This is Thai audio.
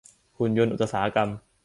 หุ่นยนต์อุตสาหกรรม